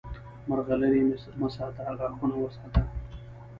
مرغلرې مه ساته، غاښونه وساته!